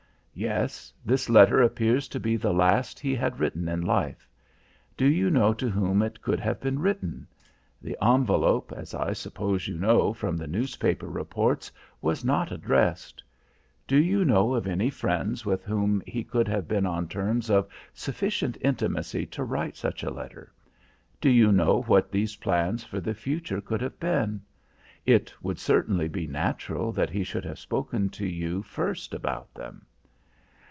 "Yes, this letter appears to be the last he had written in life. Do you know to whom it could have been written? The envelope, as I suppose you know from the newspaper reports, was not addressed. Do you know of any friends with whom he could have been on terms of sufficient intimacy to write such a letter? Do you know what these plans for the future could have been? It would certainly be natural that he should have spoken to you first about them."